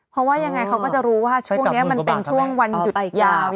เพราะว่ายังไงเขาก็จะรู้ว่าช่วงนี้มันเป็นช่วงวันหยุดอีกยาว